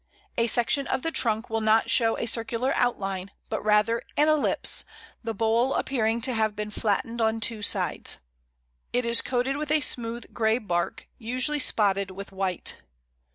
A section of the trunk will not show a circular outline, but rather an ellipse, the bole appearing to have been flattened on two sides. It is coated with a smooth grey bark, usually spotted with white.